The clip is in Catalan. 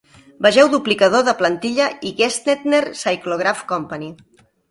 Vegeu duplicador de plantilla i Gestetner Cyclograph Company.